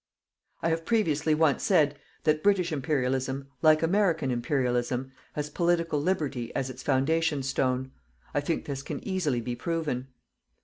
I have previously once said that British Imperialism, like American Imperialism, has Political Liberty as its foundation stone. I think this can easily be proven.